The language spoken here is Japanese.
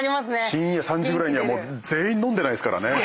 深夜３時ぐらいには全員飲んでないですからね。